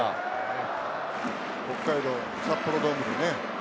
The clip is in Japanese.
北海道・札幌ドームでね。